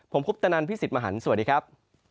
ผมคุปตนันพี่สิทธิ์มหันฯสวัสดีครับ